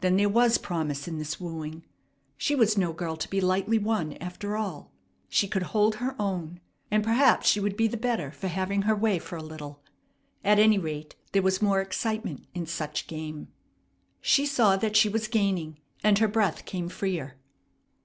Then there was promise in this wooing. She was no girl to be lightly won, after all. She could hold her own, and perhaps she would be the better for having her way for a little. At any rate, there was more excitement in such game. She saw that she was gaining, and her breath came freer.